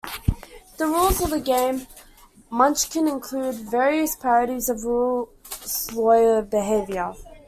The rules of the game "Munchkin" include various parodies of rules lawyer behavior.